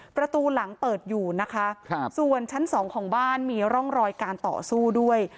ประตูหลังเปิดอยู่นะคะส่วนชั้นสองของบ้านมีร่องรอยการต่อสู้ด้วย